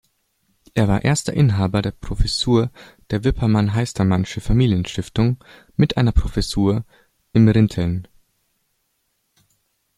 Er war erster Inhaber der Professur der Wippermann-Heistermann'sche Familienstiftung mit einer Professur in Rinteln.